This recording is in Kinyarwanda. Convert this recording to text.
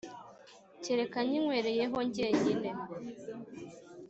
kereka nkinywereyeho jyenyine